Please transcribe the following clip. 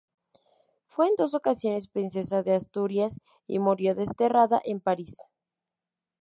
Fue en dos ocasiones princesa de Asturias y murió desterrada en París.